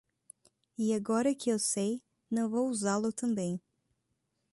E agora que eu sei, não vou usá-lo também.